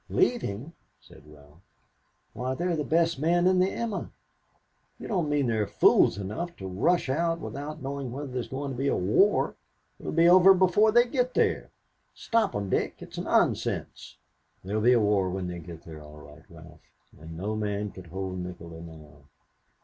"Leaving," said Ralph. "Why, they're the best men in the 'Emma.' You don't mean they're fools enough to rush out without knowing whether there's going to be a war. It will be over before they get there. Stop 'em, Dick. It is nonsense." "There'll be a war when they get there, all right, Ralph, and no man could hold Nikola now.